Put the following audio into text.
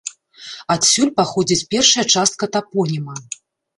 Адсюль паходзіць першая частка тапоніма.